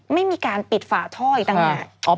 ไม่มีการปิดฝาท่ออีกต่างหาก